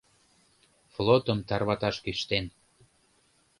Флотым тарваташ кӱштен.